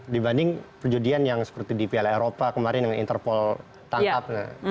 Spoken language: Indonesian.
dibanding perjudian yang seperti di piala eropa kemarin dengan interpol tangkap